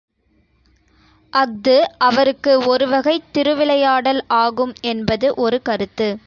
அஃது அவருக்கு ஒருவகைத் திருவிளையாடல் ஆகும் என்பது ஒரு கருத்து.